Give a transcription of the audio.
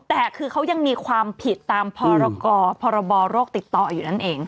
แต่คือเขายังมีความผิดตามพรพรบโรคติดต่ออยู่นั่นเอง